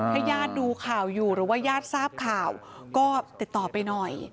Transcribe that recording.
ถ้าญาติดูข่าวอยู่หรือว่าญาติทราบข่าวก็ติดต่อไปหน่อย